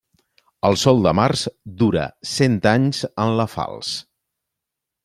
El sol de març dura cent anys en la falç.